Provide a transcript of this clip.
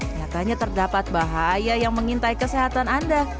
nyatanya terdapat bahaya yang mengintai kesehatan anda